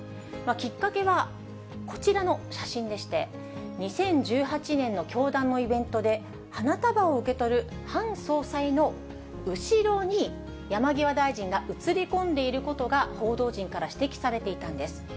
きっかけは、こちらの写真でして、２０１８年の教団のイベントで、花束を受け取るハン総裁の後ろに、山際大臣が写り込んでいることが報道陣から指摘されていたんです。